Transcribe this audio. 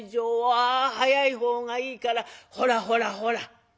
ああ早いほうがいいからほらほらほら」。